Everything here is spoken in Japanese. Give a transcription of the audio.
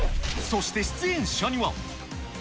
そして出演者には。